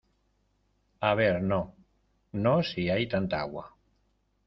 a ver no, no si hay tanta agua ;